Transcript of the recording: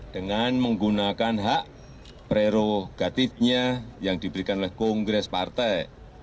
dengan menggunakan hak prerogatifnya yang diberikan oleh kongres partai